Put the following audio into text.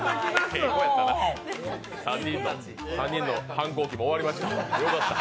３人の反抗期も終わりましたよかった。